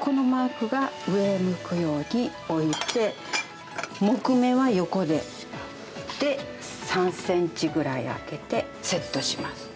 このマークが上を向くように置いて、木目は横で、で、３センチぐらいあけてセットします。